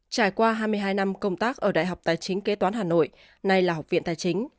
trải qua hai mươi hai năm công tác ở đại học tài chính kế toán hà nội nay là học viện tài chính